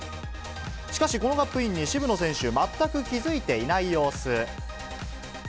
しかし、このカップインに、渋野選手、全く気付いていない様子。